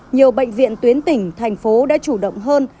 nhiều bệnh viện tuyến tỉnh thành phố đã chủ động hơn